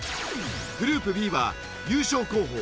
グループＢは優勝候補